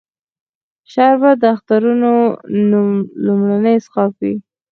شربت د اخترونو لومړنی څښاک وي